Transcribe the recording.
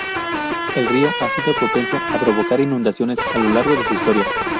El río ha sido propenso a provocar inundaciones a lo largo de su historia.